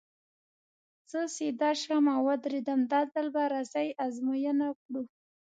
زه سیده شوم او ودرېدم، دا ځل به رسۍ ازموینه کړو.